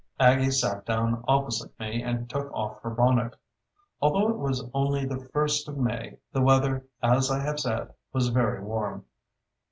Aggie sat down opposite me and took off her bonnet. Although it was only the first of May, the weather, as I have said, was very warm.